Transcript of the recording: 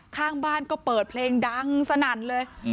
ข้างบ้านก็เปิดเพลงดังสนั่นเลย